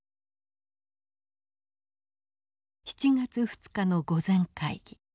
７月２日の御前会議。